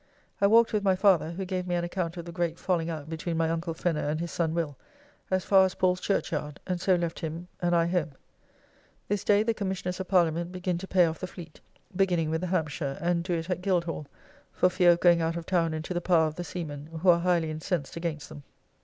I walked with my father (who gave me an account of the great falling out between my uncle Fenner and his son Will) as far as Paul's Churchyard, and so left him, and I home. This day the Commissioners of Parliament begin to pay off the Fleet, beginning with the Hampshire, and do it at Guildhall, for fear of going out of town into the power of the seamen, who are highly incensed against them.